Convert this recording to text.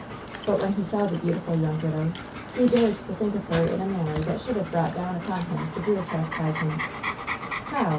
But, when he saw the beautiful young widow, he dared to think of her in a manner that should have brought down upon him severe chastisement," "How?